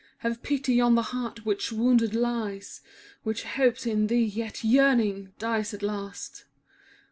Have pity on the heart which wounded lies. Which hopes in thee, yet, yearning, dies at last.